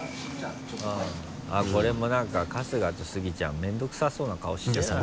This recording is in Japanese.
これも何か春日とスギちゃん面倒くさそうな顔したじゃん。